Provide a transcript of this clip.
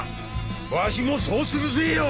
わしもそうするぜよ。